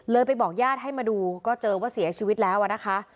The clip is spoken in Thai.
ไปบอกญาติให้มาดูก็เจอว่าเสียชีวิตแล้วนะคะ